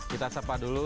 kita sapa dulu